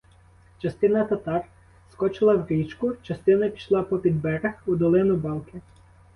Частина татар скочила в річку, частина пішла попід берег у долину балки.